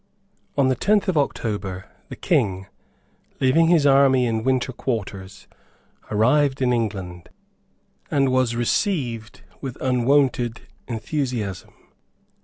On the tenth of October, the King, leaving his army in winter quarters, arrived in England, and was received with unwonted enthusiasm.